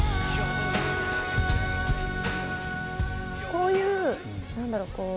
こういう何だろう